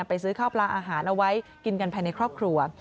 ไปซื้อข้าวปลาอาหารเอาไว้กินกันภายในครอบครัว